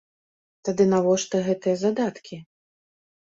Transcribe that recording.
Тады навошта гэтыя задаткі?